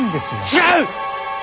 違う！